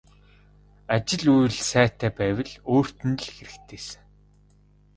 Ажил үйл сайтай байвал өөрт нь л хэрэгтэйсэн.